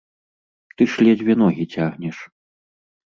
Ты ж ледзьве ногі цягнеш.